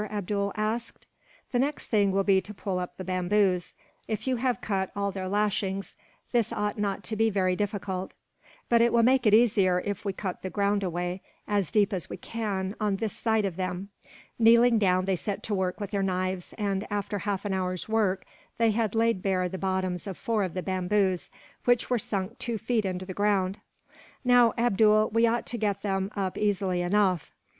Abdool asked. "The next thing will be to pull up the bamboos. If you have cut all their lashings, this ought not to be very difficult; but it will make it easier if we cut the ground away, as deep as we can, on this side of them." Kneeling down, they set to work with their knives and, after half an hour's work, they had laid bare the bottoms of four of the bamboos, which were sunk two feet into the ground. "Now, Abdool, we ought to get them up easily enough."